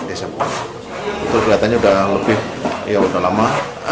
itu kelihatannya sudah lebih lama